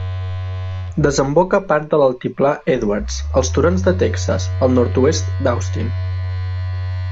Desemboca part de l'altiplà Edwards als Turons de Texas, al nord-oest d'Austin.